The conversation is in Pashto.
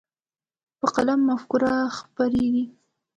په قلم مفکوره خپرېږي.